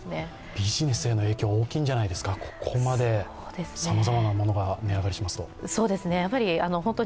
ビジネスへの影響、大きいんじゃないですか、ここまでさまざまなものが値上がりしますと。